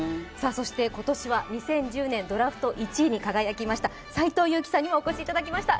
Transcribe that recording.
今年は２００１年ドラフト１位に輝きました斎藤祐樹さんにもお越しいただきました。